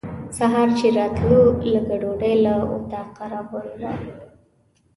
سهار چې راتلو لږه ډوډۍ له اطاقه راوړې وه.